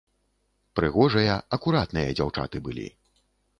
Прыгожыя, акуратныя дзяўчаты былі.